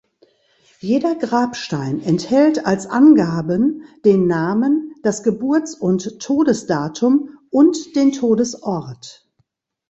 Jeder Grabstein enthält als Angaben den Namen, das Geburts- und Todesdatum und den Todesort.